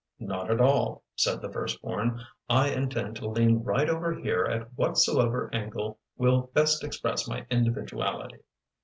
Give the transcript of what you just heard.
'Not at all,' said the firstborn, 'I intend to lean right over here at whatsoever angle will best express my individuality.'